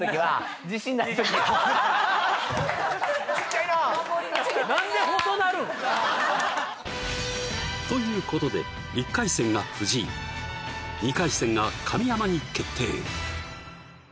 ちっちゃいなということで１回戦が藤井２回戦が神山に決定